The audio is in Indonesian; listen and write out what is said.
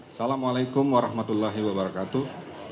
assalamu'alaikum warahmatullahi wabarakatuh